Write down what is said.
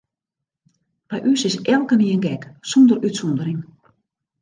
By ús is elkenien gek, sûnder útsûndering.